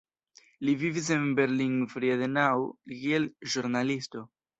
Li vivis en Berlin-Friedenau kiel ĵurnalisto.